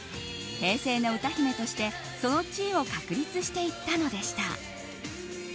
平成の歌姫としてその地位を確立していったのでした。